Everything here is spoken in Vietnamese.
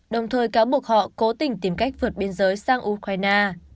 đồng thời cáo buộc họ cố tình tìm cách vượt biên giới sang ukraine